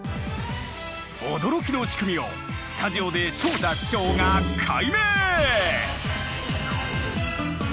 驚きの仕組みをスタジオで昇太師匠が解明！